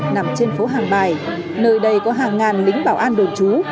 nằm trên phố hàng bài nơi đây có hàng ngàn lính bảo an đồn trú